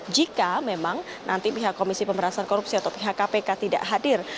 jika memang nanti pihak komisi pemberantasan korupsi atau pihak kpk tidak hadir